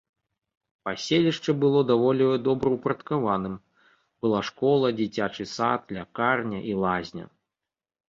Паселішча было даволі добраўпарадкаваным, была школа, дзіцячы сад, лякарня і лазня.